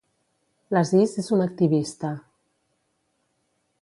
L'Aziz és una activista.